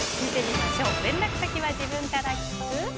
連絡先は自分から聞く？